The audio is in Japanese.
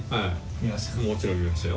もちろん見ましたよ。